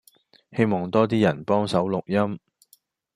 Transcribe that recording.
希望多 D 人幫手錄音